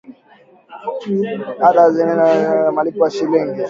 Hata baada ya Raisi Uhuru Kenyatta kusaini bajeti ya nyongeza kwa malipo ya shilingi